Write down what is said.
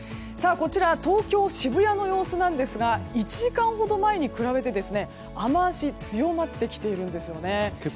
こちら東京・渋谷の様子なんですが１時間ほど前に比べて雨脚が強まってきているんです。